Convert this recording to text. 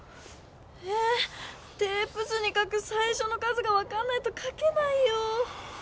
ええっ⁉テープ図に書くさいしょの数がわかんないと書けないよ。